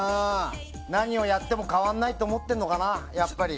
何をやっても変わらないと思ってんのかな、やっぱり。